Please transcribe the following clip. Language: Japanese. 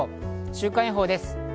週間予報です。